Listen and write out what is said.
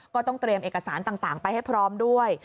ก็ต้องเตรียมเอกสารต่างไปให้พร้อมด้วย